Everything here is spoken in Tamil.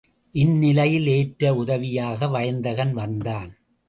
இந்நிலையில் ஏற்ற உதவியாக வயந்தகன் வந்தான்.